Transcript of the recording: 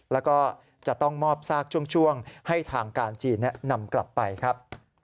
แล้วก็จะต้องมอบซากช่วงให้ทางการจีนนำกลับไปครับ